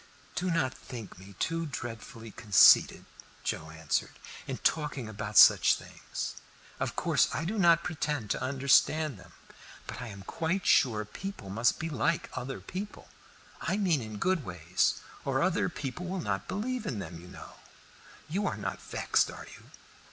"Do not think me too dreadfully conceited," Joe answered, "in talking about such things. Of course I do not pretend to understand them, but I am quite sure people must be like other people I mean in good ways or other people will not believe in them, you know. You are not vexed, are you?"